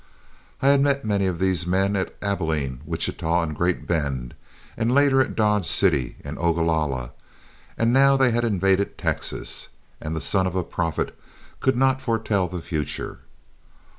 I had met many of these men at Abilene, Wichita, and Great Bend, and later at Dodge City and Ogalalla, and now they had invaded Texas, and the son of a prophet could not foretell the future.